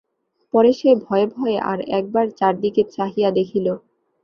পরে সে ভয়ে ভয়ে আর একবার চারিদিকে চাহিয়া দেখিল।